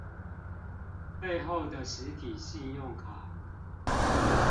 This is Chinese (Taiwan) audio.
背後的實體信用卡